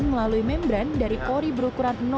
melalui membran dari kori berukuran satu